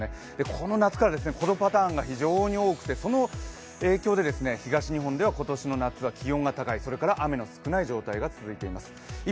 この夏からこのパターンが非常に多くてその影響で東日本では今年は気温が高い、それから、雨の少ない状態が続いています。